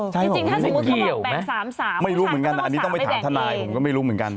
จริงถ้าสมมุติเขาบอกแบ่ง๓สามผู้ชายก็ต้อง๓ไปแบ่งเกณฑ์